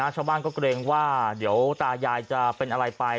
ชาวบ้านก็เกรงว่าเดี๋ยวตายายจะเป็นอะไรไป